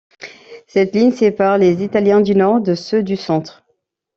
Cette ligne sépare les italiens du nord de ceux du centre.